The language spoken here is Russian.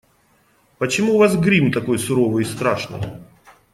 Почему у вас грим такой суровый и страшный?